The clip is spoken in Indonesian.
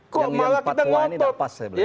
kok malah kita ngotot